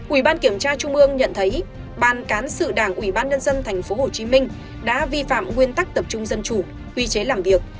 ủy ban kiểm tra trung ương nhận thấy ban cán sự đảng ủy ban nhân dân tp hcm đã vi phạm nguyên tắc tập trung dân chủ quy chế làm việc